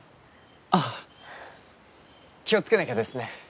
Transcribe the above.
あ気を付けなきゃですね。